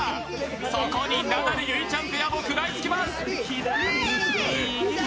そこにナダル・結実ちゃんペアも食らいつきます。